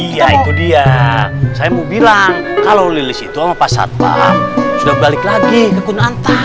iya itu dia saya mau bilang kalau lilis itu sama pas satpam sudah balik lagi ke kunanta